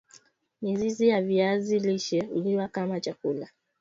mizizi ya viazi lishe huliwa kama chakula